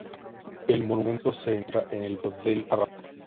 El monumento se encuentra en el barrio del Arrabal.